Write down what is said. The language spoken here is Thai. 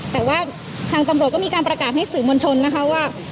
แต่ว่าทางตำรวจก็มีการประกาศให้สื่อมวลชนนะคะว่า